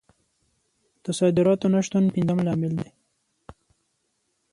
د صادراتو نه شتون پنځم لامل دی.